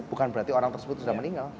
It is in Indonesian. bukan berarti orang tersebut sudah meninggal